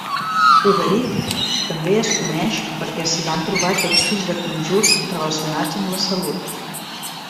Ugarit també es coneix perquè s'hi van trobar textos de conjurs relacionats amb la salut.